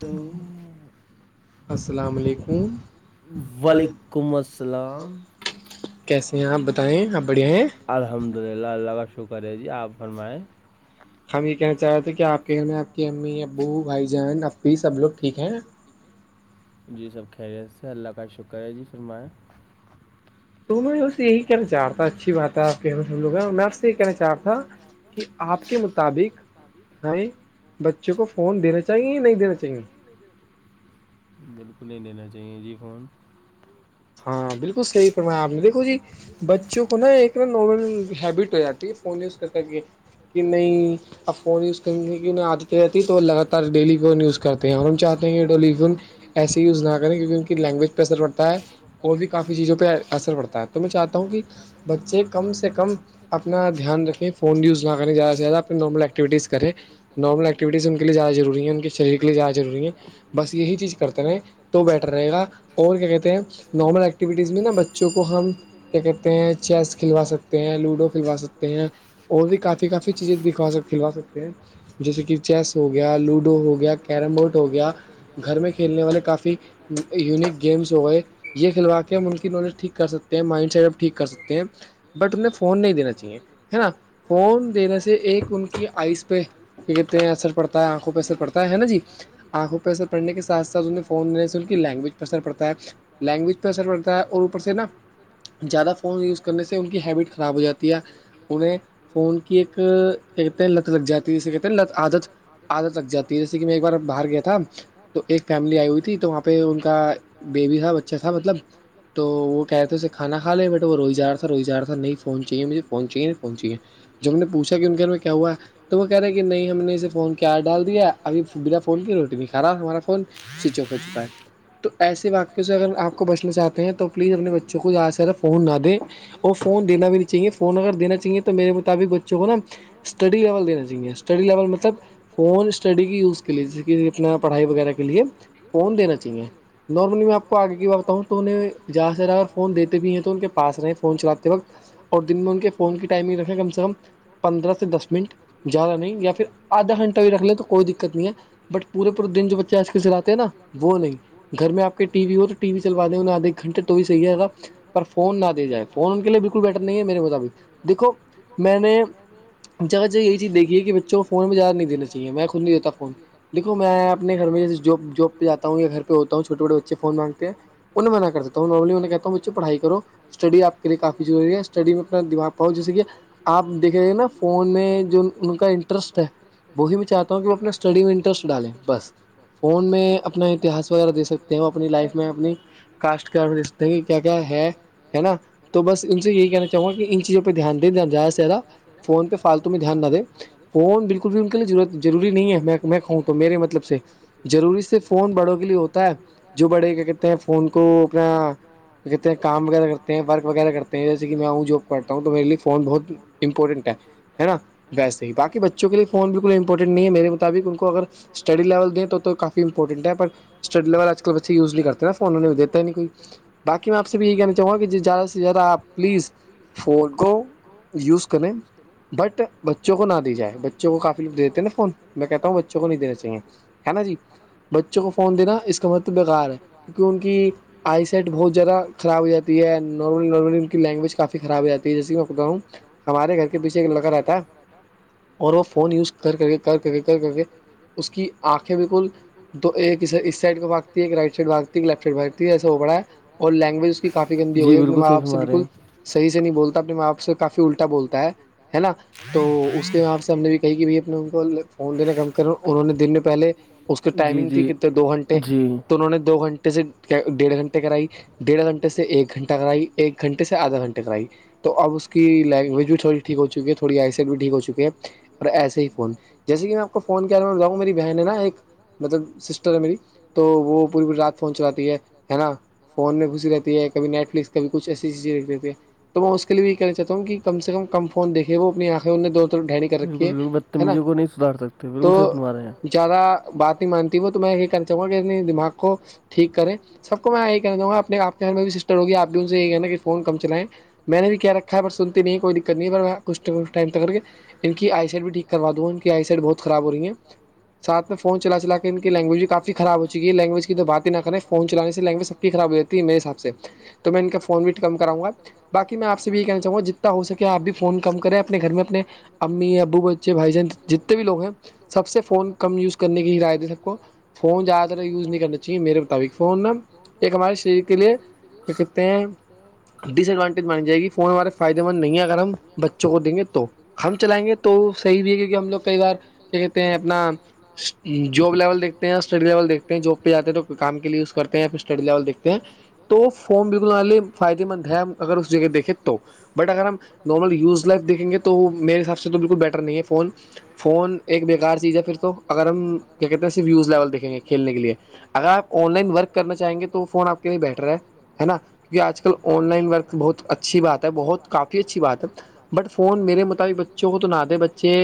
تو السلام علیکم و ععلیکم السلام کیسے ہیں آپ بتائیں آپ بڑھیا ہیں الحمد للہ اللہ کا شکر ہے جی آپ فرمائیں ہم یہ کہنا چاہ رہے تھے کہ آپ کے گھر میں آپ کے امی ابو بھائی جان ای سب لوگ ٹھیک ہیں جی سب خیریت سے اللہ کا شکر ہے جی فرمائیں تو میں اس سے یہی کہنا چاہ رہ تھا اچھی بات ہے آپ ہم لوگ ہیں اور میں اس سے یہی کہنا چاہ رہ تھا کہ آپ کے مطابق ہیں بچے کو فون دینا چاہیے یا نہیں دینا چاہیے بالکل نہیں لینا چاہیے جی فون ہاں بالکل صحیح فرمایا آپ نے دیکھو جی بچوں کو نا ایک نا نارمل ہیبٹ ہو جاتی ہے فون یوز کرکے کہ نہیں اب فون یوز کریں گے کہ نہیں آجل رہتی تو وہ لگاتار ڈیلی کو نیوز کر تو یہیار ہم چاہتے ہیں کہ ڈولیفون ایسیے یوز نہ کریں کیونکہ ان کی لینگویج پہ اثر پڑتا ہے اور بھی کافی چیزوں پہ اثر پڑتا ہے تو میں چاہتا ہوں کہ بچے کم سے کم اپنا دھیان رکھیں فون یو نہ کریں زیاہ سے زیادہ اپ نارمل ایککٹیوٹیز کریں نارمل ایکٹیوٹیز ان لیے زیادہ ضروری ہے ان کے شریر کے لیے زیادہ ضروری ہے بس یہی چیز کرتے ہیں تو بیٹر رہے گا اور کیا کہتے ہیں نارمل ایکٹیویٹیز میں نا بچوں کو ہم کیا کہتے ہیں چیس کھلوا سکتے ہیں لوڈو کھلوا سکتے ہیں اور بھی کافی کافی چیزیں دکھا سک کھلوا سکتے ہیں جیسے کہ چیس ہو گیا لوڈو ہو گیا کیرم بورڈ ہو گیا گھر میں کھیلنے والے کافی یونیک گیمس ہو گئے یہ کھلوا کے ہم ان کی نالج ٹھیک کر سک ہیں مائنڈ سیٹ اپ ٹھیک کر سکتے ہیں بٹ انہیں فون نہیں دینا چاہیے ہے نا فون دینے سے ایک ان کی آئز پہ کیا کہتے ہیں اثر پڑتا ہے آنکھوں پہ اثر پڑتا ہے نا جی آنکھوں پہ ار پڑنے کے سات ساتھ انہیں فون دینے سے ان کی لینگوی پہ اثر پڑتا ہے لینگویج پہ اثر پڑتا ہے اور اوپر سے نا زیادہ فون یوز کرنے سے ان کی ہیبٹ خراب ہو جاتی ہے انہیں فون کی ایک کیا کہتے ہیں لت لگ جاتی ہے اسے کہتے ہیں لت عادت آدت لگ جاتی ہے جیسے کہ میں ایک بار باہر گیا تھا تو ایک فیملی آئی ہوئی تھی تو وہاں پہ ان کا بیبی تھا بچہ تھا مطلب تو وہ کہ رہ تھے اسے کھانا کھا لے بٹ وہ روئی جا تھا روزا رہا تھا نہیں فون چاہیے مجےون چاہیے نہیںہنچاہیے جب ہم نےوچھا کہ انن کےھر میں کیا ہوا ہے تو وہ کہہ رہے کہ نہیں ہم نے اسے فون کیا ڈال دیا ابھی بنا فون کی روٹی بھی کرا ہمارا فون سوئچ آف ہو چکا ہے تو ایسے واقعوں سے اگر آپ کو بچنا چاہتے ہیں تو پلیز اپنے بچوں کو زیاد سےدہ فون نہ دیں اور فون دین بھی نہیں چاہیے فون اگر دا چاہیے تو میرے مطابق بچوں کو نا اسٹڈی لیول چاہیے اسٹڈی لیول مطلب فون اسٹڈی کی یوز کے لیے جیسے کہ اپنا پڑھائی وغیرہ کے لیے فون دینا چاہیے نارملی میں آپ کو آگے کی بتا ہوں تو انہیں جہاں سےرا اگر فون دیتے بھی ہیں تو ان کے پاس رہیں فون چلاتے وقت اور دن میں ان کے فون کی ٹائمنگ رکھیں کم سے کم پندرہ سے دس منٹ جیا رہا نہیں یا پھر آدھا گھنٹہ بھی رکھ لے تو کوئی دقت نہیں ہے بٹ پورے پورے دن جو بچہ آج کے چلاتے نا وہ نہیں گھر میں آپ ٹی وی اور ٹی و چلا د ہووں آدھ ایک گھنٹ تو ہیحیح ہے پر فون نہ دے جائے فون ان کے لیے بالکل بیہٹر نہیں ہے میرے مطابق دیکھو میں نے جگہ جگہ یہی چیز دیکھیے کہ بچوں کو فون میں زدہ نہیں دینا چاہیے میں خود نہیں دیتا فون دیکو میں اپنےھر میں جیس جاب پہاتا ہوں یاھر پہ ہوتا ہوں چوٹے بوٹے بچے فون مان انہ نے منع کر دیتا ہوں نارملی نے کہتا ہوں بچے پڑھائی کرو اسٹڈی آپ کے لیے کافی ضری ہے اسٹڈی میں اپنا دما پاؤ جیسے کہ آپ دیکھیں گے نا فون میں جو ان کا انٹرسٹ ہے وہی میں چاہتا ہوں کہ وہ اپنا اسٹڈی میں انٹرسٹ ڈالیں بس فون میں اپنا اتہاس وغیرہ دے سکتے ہیں اپنی لائف میں اپنی کاسٹ کےتے کیا کیا ہے ہے نا تو بس ان سے یہ کہنا چاہوں گا کہ ان چیزوں پہ دھیان دیں زیادہ سے زیادہ فون پہ فالتو میں دھیان نہ دیں بالکل بھی ان کے لیےضرورت ضرور نہیں ہے میں میں کہوں تو میرے مطلب سے ضروری سے فون بڑوں کے لیے ہوتا ہے جو بڑے کیا کہتے ہیں فون کو اپنا کہتے ہیں کام وغیرہ کرتے ہیں ورک وغیرہ کرتے ہیں جیسے کہ میں آؤں جاب کرتا ہوں تو میرے لیے فون بہت امپورٹنٹ ہے نا ویسے ہی باقی بچوں کے لیے فون بالکل امپورٹنٹ نہیں ہے میرے مطابق ان کو اگر اسٹی لیول دیں تو کافی امپورٹنٹ ہے پر اسٹی لیول آج کل بچے یز نہیں کرتے نا فون انہیں بھی دیتے ہی نہیں کوئی بای میں آپ سے بھی یہی کہنا چاہوں گا کہ زیادہ سے زیادہ آپ پلیز فورون کوو یوز کر بٹ بچوں کو نہ دی جائے بچوں کو کافی لوگ دیتے نا فون میں کہتا ہوں بچوں کو نہیں دینا چاہیے ہے نا جی بچوں کو فون دینا اس کا مطلب بےیکار ہے کیونکہ ان کی آئی سیٹ بہت زیادہ خراب ہو جاتی ہے نارم نارملی ان کی لینگویج کافی خراب ہو جاتی ہے جیسے میں بتا ہوں ہمارے گھر کے پیچھے ایک لگا رہتا اور وہ فون یوز کر کر کے کر کے کر کر کے اس کی آنکھیں بالکل دو ایک اس سائڈ کو بھاگتی ایک رائٹ سائڈ بااتتی ہے ل لیفٹ سائڈ باگتی ہے ایسا ہو پڑا ہے اور لینگویج اس کی کافی گی جی ہوئی ہے اپنے بالکل صحیح باپ سے فرما رہے بالکل ہیں صحی سے نہیں بولتا اپنے ماںپ سے کافی الٹا بولتا ہے ہے نا تو اس کے آپ سے ہم نے بھی کہی کہ بھائی اپنے ان کو فون دینا کم کرے انہوں نے دن میں پہلے اس کی جی ٹائمنگ تھی جی کتنے دو گھنٹے جی تو انہوں نے دو گھنٹے گھے سے ڈیڑھ گھنٹے کرائی ڈیڑھ گھنٹے سے ایک گھنٹہ کرائی ایک گھنٹے سے آدھا گھنٹے کرائی تو اب اس کی لینگویج بھی تھوڑی ٹھیک ہو چکی ہے تھوڑی آئیسٹ بھی ٹھیک ہو چکی ہے اور ایسے ہی فون جیسے کہ میں آپ کو فون کیا رہا جا میری بہن ہے نا ایک مطلب سسٹر ہے میری تو وہ پوری پوری رات فون چلات ہے نا فون میں گھسی رہتی ہے کبھی نیٹ فلکس کبھی کچھ ایسی ایسی چز دیتی ہے تو میں اس کے لیے یہ کہنا چاہتا ہوں کہ کم سے کم کم فون دیکھے وہ اپنی آنکھیں انوں دو ڈنی کر بالکل رکھیے بالکل ہے نا بدتمیزوں کو نہیں سدھار سکتے بالکل تو صحیح فرما رہے ہیں زیادہ بات نہیں مانتی وہ تو میں یہ کر چاہوں گا کہ اپنے دماغ کو ٹھیک کریں سب کو میں یہی کہہ دوں گا اپنے آپ کے گھر میں بھی سسٹر ہوگی آپ بھی ان سے یہی کہنا کہ فون کم چلائیں میں نے بھی کیا رکھا ہے پر سنتی نہیں کوئی دقت نہیں پر میں کچ کھ ٹائم تک کر کے ان کی آئی سیٹ بھی ٹھیک کرا دوں ان کی آئی سیڈ بہت خراب ہو رہی ہے سھ میں فون چلا چلا کے ان کی لینگویج بھی کافی خر ہو چی ہے لینگویج کی تو بات نہ کریں فون چلے سے لینگویج سب کی خراب ہواتی ہے میرے حساب سے تو میں ان کا فون وٹ کم کراؤ گا بای میں آپ سے بھی یہ کہنا چاہوں گا جتنا ہو سکے آپ بھی فون کم کریں اپنے گھر میں اپنے امی ابو بچے بھائی جان جتنے بھی لوگ ہیں سب سے فون کم یوز کرنے کی ہی رائے ہے سب کو فون زیاد تر یز نہیں کرنے جی میرے مطابق فون ن ایک ہمارے شریر کے لیے کہتے ہیں ڈس ایڈوانٹیج مانی جائے گی فون ہمارے فائدے مند نہیں ہے اگر ہم بچوں کو دیں گے تو ہم چلائیں گے تو صحیح بھی ہے کیونکہ ہم لوگ کئی بار کیا کہتے ہیں اپنا جاب لیول دیکھتے ہیں اسٹڈی لیول دیکھتے ہیں جاب جات ہیں تو کام کے لیے وز کرتے ہیںیا پھر اسٹڈی لیول دیکتے ہیں تو فم بالکلے فائدے مند ہے اگر اس جگہ دیکھیں تو بٹ اگر ہم نارمل یوز لائف دیکھیں گے تو وہ میرے حساب سے تو بالکل بیٹر نہیں ہے فون فون ایک بےیکار چیز ہے پھر تو اگر ہم کیا کہتے ہیں صرف یوز لیول دیکھیں گے کھیلنے کے لیے اگر آپ آن لائن ورک کرنا چاہیں گے تو فون آ کے لیے بیہٹر ہے ہے نا کیونک آج کل آن لائن ورک بہت اچھی بات ہے بہت کافی اچھی بات ہے بٹ فون میرے مطابق بچوں کو تو نہ دے بچے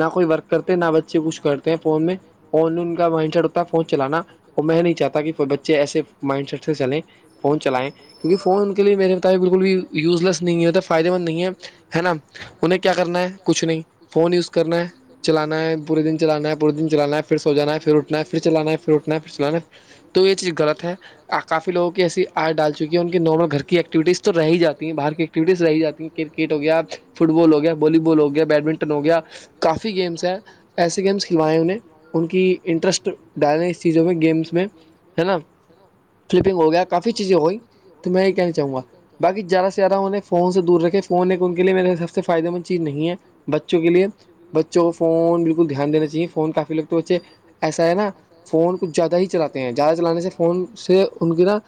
نہ کوئی ورک کرتے نہ بچے کچھ کرتے ہیں فون میں فون کا مائنڈ سیٹ ہوتا ہے فون چلانا اور میں نہیں چاہتا کہ بچے ایسے مائنڈ سیٹ سے چلیں فون چلائیں کیونکہ فون ان کے لیے میرے بتاائبق بالکل بھی یوز لیس نہیں ہے ہوتا ہے فائدہ مند نہیں ہے ہے نا انہیں کیا کرنا ہے کچھ نہیں فون یوز کرنا ہے چلانا پے دن چلا ہے پے دن چلانا ہے پھر سو جانا پھرٹھنا ہے پھر چلانا ہے پھر اٹھنا ہے پھر تو یہ چیز غلط ہے کافی لوگ کی ایسی آ ڈال چکی ہے انن نارمل گھرر کی ایکٹیوٹیز تو رہ ہی جاتی ہیں باہر کی ایککٹیوٹیز رہ ہی جاتی ہیں کرکٹ ہو گیا فٹ بال ہو گیا والی بال ہو گیا بیڈمنٹن ہو گیا کافی گیمس ہیں ایسے گیمس کھلوائے انہیں ان کی انٹرسٹ ڈالیں اس چیزوں پہ گیمس میں ہے نا فلپنگ ہو گیا کافی چیزیں ہو گئی تو میں یہ کہنا چاہوں گا بای زیادہ سے زیادہ انہ نے فون سے دور رکھے فون ایک ان کے لیے میرے سب سے فائدے مند چیز نہیں ہے بچوں کے لیے بچوں فون بالکل دھیان دینا چاہیے فون کافی لگتے بچے ایسا ہے نا فون زیادہ ہی چلاتے ہیں زیادہ چلانے سے فون سے ان کے نا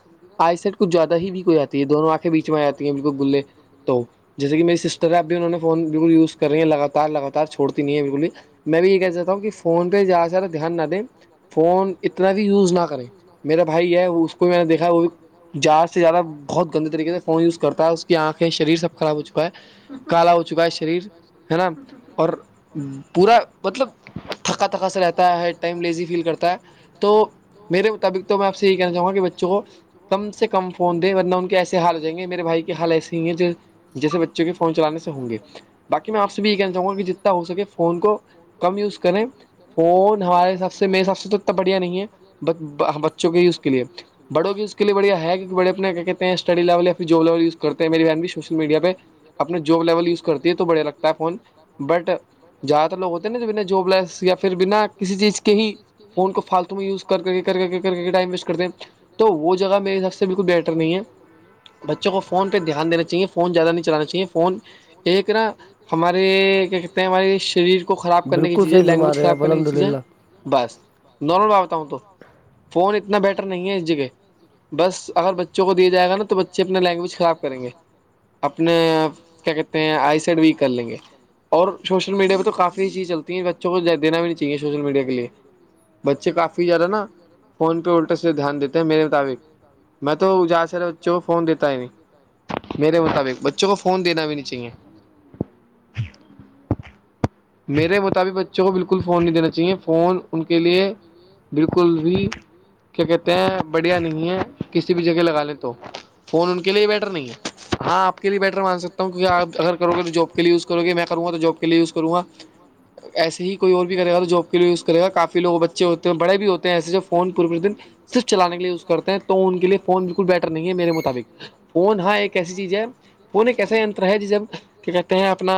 آئی سیٹ کچ زیادہ ہی بھی ہو جاتی ہے دون آنکھیں بیچ میں آی ہیں بالکل گلے تو جیسے کہ میری سسٹر ہے اب بھی انہوں نے فون بالکل یوز کر رہی ہیں لگاتار لگاتار چھوڑتی نہیں ہے بالکل ہی میں بھی یہ کہ چاہتا ہوں کہ فون پہ زیادہ سدا دھیان نہ دیں فون اتنا بھی یوز نہ کریں میرا بھائی ہے اس کو میں نے دیکھا ہے وہ جہار سے زیادہ بہت گندے طریقے سے فون یوز کرتا ہے اس کی آنکھیں شریر سب خراب ہو چکا ہے کالا ہو چکا ہے شریر ہے نا اور پورا مطلب تھکا تھکا سے رہتا ہے ہے ٹائم لیزی فیل کرتا ہے تو میرے مطابق تو میں آپ سے یہی کہنا چاہوں گا کہ بچوں کو کم سے کم فون دیں ورنہ ان کے ایسے حال ہو جائیں گے میرے بھائی کے حال ایسی ہی ہیں جو جیسے بچوں کے فون چلانے سے ہوں گے باقی میں آپ سے بھی یہی کہنا چاہوں گا کہ جتنا ہو سکے فون کو کم یوز کریں فون ہمارے حساب سے میرے حساب سے تو اتنا بڑھیا نہیں ہے بچوں کے یز کے لیے بڑوں کی اس کے لیےڑیا ہے کیک بڑے اپنا کیا کہتے ہیں سٹڈی لیول یاھر جب لیول وز کرتے ہیںیری بہن بھی سوشل میڈیا پہ اپنا جاب لیول یوز کرتی ہے تو بڑھیا لگتا ہے فون بٹ زیادہ تر لوگتے نا بنا جب لیس یا پھر بنا کسی چیز کے ہی فون کو فالتو میں یوز کر کے کر کے ٹائم ویسٹ کرتے ہیں تو وہ جگہ میرے حساب سے بالکل بیہٹر نہیں ہے بچوں کو فون پہ دھیان دینا چاہیے فون زیادہ نہیں چلانا چاہیے فون ایک نا ہمارے کیا کہتے ہیں ہمارے شریر کو خراب کرنے کی بالکل چیزیں صحیح فرما لینگویج رہے ہیں خراب آپ کرنے کی الحمد چیزیں بس نارمل میں بتا ہوں تو فون اتنا بیٹر نہیں ہے اس جگہ بس اگر بچوں کو دیا جائے گا نا تو بچے اپنا لینگویج خراب کریں گے اپنا کیا کہتے ہیں آئی سیٹ ویک کر لیں گے اور شوشل میڈیا پہ تو کافی چیز چلتی ہیں ہے بچوں کو دینا بھی نہیں چاہیے سوشل میڈیا کے لیے بچے کافی زیادہ نا فون پہ الٹا سے دھیان دیتے ہیں میرے مطابق میں تو بچوں کو فون دیتا ہی نہیں میرے مطابق بچوں کو فون دینا بھی نہیں چاہے میرے مطابق بچوں کو بالکل فون نہیں دینا چاہیے فون ان کے لیے بالکل بھی کیا کہتے ہیں بڑھیا نہیں ہے کسی بھی جگہ لگا لیں تو فون ان کے لیے بیٹر نہیں ہے ہاں آپ کے لیے بیٹر مان سکتا ہوں کیونک آپ اگر کرو گے تو جاب کے یزو گے میں کروں گا تو جاب لیے یوز کروں گا ایسے ہی کوئی اور بھی کرے گا تو جاب کے لیے یوز کرے گا کافی لوگ بچے اچھے ہوتے ہیں بڑے بھی ہوتے ہیں ایسے جو فون پورے دن صرف چلانے کے لئے یوز کرتے ہیں تو ان کے لیے فون بالکل بیٹر نہیں ہے میرے مطابق فون ہاں ایک ایسی چیز ہے فون ایک ایسا انتر ہے جسے آپ کیا کہتے ہیں اپنا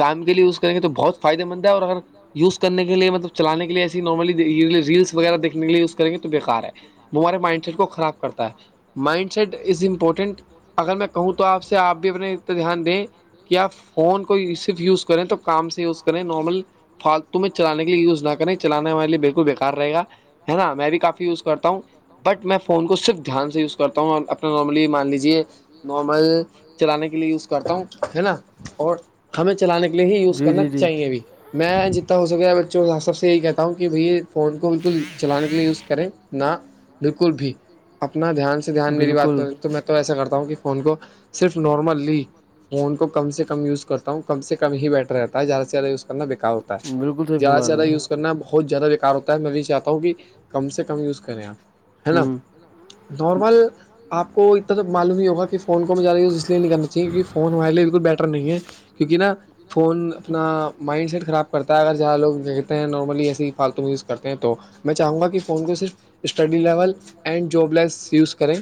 کام کے لیے یوز کریں گے تو بہت فائدے مند ہے اور اگر للہ یوز کر کے لیے مطلب چلانے کے لئے ایسے نارملی ریلس وغیرہ دیکنے کے لیے یوز کریں گے تو بےیکار ہے وہ ہمارے مائنڈ سیٹ کو خراب کرتا ہے مائنڈ سیٹ اس امپورٹنٹ اگر میں کہوں تو آپ سے آپ بھی اپنا انا دھیان دیں کہ آپ فون کو صرف یوز کریں تو کام سے یوز کریں نارمل فالتو میں چلانے کے لیے یوز نہ کریں چلانے والے لیے بالکل بےیکار رہے گا نا میں بھی کافی یوز کرتا ہوں بٹ میں فون کو صرف دھیان سے یوز کرتا ہوں اور اپنا نارملی مان لیجیے نارمل چلانے کے لیے یوز کرتا ہوں ہے نا اور ہمیں چلانے کے لیے ہی یوز جی کرنا جی جی چاہیے بھی میں جتنا ہو سکے بچوں سب سے یہی کہتے کہ بھائی یہ فون کو بالکل چلانے کے لیے یوز کریں نہ بالکل بھی اپنا دھیان سے دھیان میری بات بالکل کر تو میں تو ایسا کرتا ہوں کہ فون کو صرف نارملی میںون کو کم سے کم وز کرتا ہوں کم سےم ہی بیٹر رہتا ہے زیادہ سے زیادہ یوز کرنا بیکار ہو بالکل صحیح زیادہ سے فرما زیادہ رہے ہیں یوز آپ کرنا بہت زیادہ بیکار ہوتا ہے میں بھی چاہتا ہوں کہ کم سے کم یوز کریں آپ ہے نا ہوں دورمل آپ کو اتنا توب معلوم ہی ہوگا کہ فون ہمیں زیادہ یز اس لیے نہیں کرنا چاہیے کیونک فون ہمارے بالکل بیٹر نہیں ہے کیونکہ نا فون اپنا مائنڈ سیٹ خراب کرتا ہے اگر جہاں لوگ کہتے ہیں نارملی ایس فالتو یوز کرتے ہیں تو میں چاہوں گا کہ فون کو صرف اسٹڈی لیول اینڈ جب لیس یوز کریں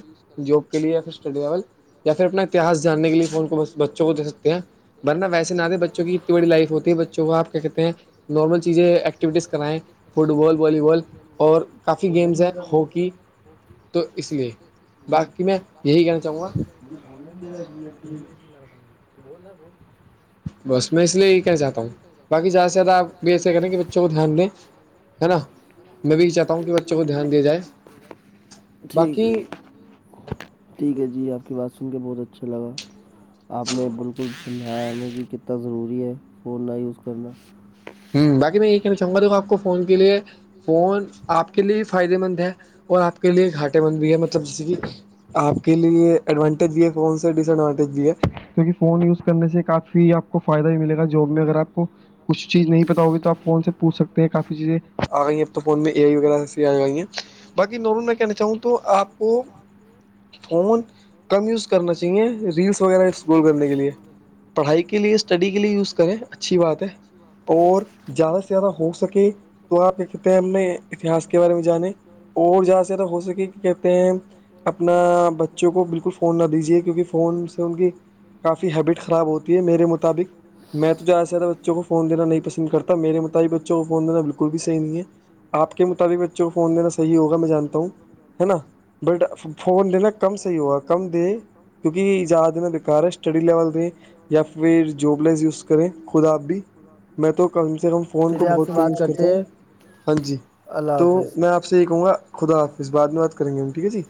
جاب کے لیے یا پھر اسٹڈی لیول یا پھر اپناتہس جاننے کے لیے پ کو بس بچوں کو دے سکتے ہیں ورنہ ویسے نہ دے بچوں کی اتنی بڑی لائف ہوتی ہے بچ کو آپ کیا کہتے ہیں نارمل چیزیں ایکٹیوٹیز کرائیں فٹ بال والی بال اور کافی گیمس ہیں ہاکی تو اس لیے باقی میں یہی کہنا چاہوں گا بول ج ہ بس میں اس لیے یہ کہنا چاہتا ہوں بای زیادہ سے زیادہ آپ بھی ایسے کریں کہ بچوں کو دھیان دیں ہے نا میں بھی یہ چاہتا ہوں کہ بچوں کو دھیان دیا جائے ٹھیک ہے باقی یھ ٹھیک ہے جی آپ کی بات سن کے بہت اچھا لگا آپ نے بالک ک سجا نے بھی کتنا ضروری ہے فون کا یز کرنا ہوں باق میں یہ کہنا چا دوںا آپ کو فون کے لیے فون آپ کے لیے فائدے مند ہے اور آپ کے لیے گھاٹے مند بھی ہے مطلب جیسے کہ آپ کے لیے ایڈوانٹیج یہ ہے فون سے ڈس ایڈوانٹیج بھی ہے کیونکہ فون یوز کرنے سے کافی آپ کو فائدہ بھی ملے گا جاب میں اگر آپ کو کچھ چیز نہیں پتا ہوگی تو آپ فون سے پوچھ سکتے ہیں کافی چیزیں آ گئی ہیں اب تو فون میں اے آئی وغیرہ ایسی آ گئی ہیں باقی نورون میں کہنا چاہوں تو آپ کو فون کم یوز کرنا چاہیے ریلس وغیرہ ایکس گول کرنے کے لیے پڑھائی کے لیے اسٹڈی کے لیے یوز کریں اچھی بات ہے اور زیادہ سے زیادہ ہو سکے تو آپ کہتے ہیں ہم نے اتہاس کے بارے میں جانیں اور جیا سے ہو سکے کہ کہتے ہیں اپنا بچوں کو بالکل فون نہ دیجیے کیونکہ فون سے ان کی کافی ہیبٹ خراب ہوتی ہے میرے مطابق میں تو جا ساد بچوں کو فون دینا نہیں پسند کرتا میرے مطابق بچوں کو فون دا بالکل بھی صح نہیں ہے آپ کے مطابق بچوں کو فون دینا صح ہوگا میں جانتا ہوں ہے نا بٹ فون لینا کم صحیح ہوا کم دے کیونکہ جادنا بےکار ہے اسٹڈی لول ت یا پھر جوبلز یوز کریں خود آپ بھی میں تو کم سے کم فون کو چلیے آپ سے بہت کم بات یوز کرتا کرتے ہوں ہیں ہاں جی اللہ تو حافظ میں آپ اب سے ایکوں گا خداظ بع میں بات کریں گے ہم ٹھیک ہے جی